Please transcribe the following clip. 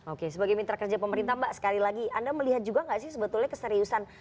oke sebagai mitra kerja pemerintah mbak sekali lagi anda melihat juga nggak sih sebetulnya keseriusan